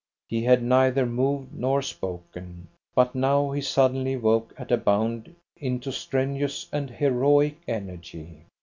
He had neither moved nor spoken. But now he suddenly woke at a bound into strenuous and heroic energy.